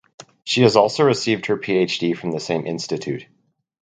She has also received her PhD from the same institute.